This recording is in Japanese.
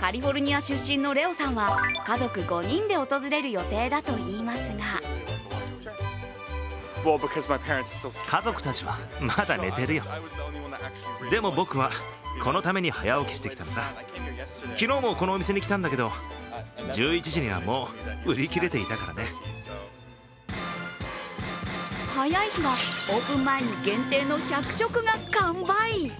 カリフォルニア出身のレオさんは家族５人で訪れる予定だといいますが早い日はオープン前に限定の１００食が完売。